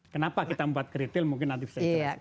kenapa kita membuat ke retail mungkin nanti bisa dijelaskan